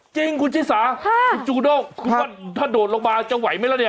จริงคุณชิสาคุณจูด้งคุณว่าถ้าโดดลงมาจะไหวไหมล่ะเนี่ย